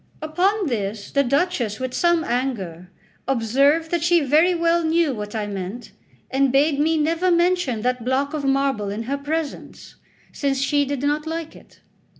Upon this the Duchess, with some anger, observed that she very well knew what I meant, and bade me never mention that block of marble in her presence, since she did not like it.